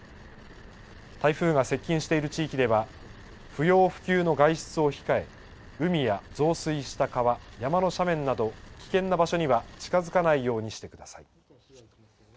台風が接近している地域では、不要不急の外出を控え、海や増水した川、山の斜面など危険な場所には近づかないようにしてください。